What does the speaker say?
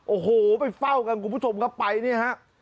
โอ้โหไปเฝ้ากันกลุ่มผู้ชมก็ไปนะฮะ